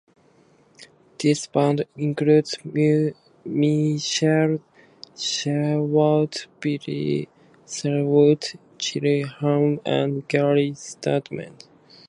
This band included Michael Sherwood, Billy Sherwood, Jimmy Haun and Gary Starnes.